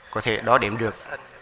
có thể đó đếm được